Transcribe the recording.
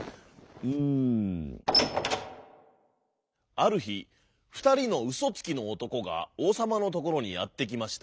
あるひふたりのうそつきのおとこがおうさまのところにやってきました。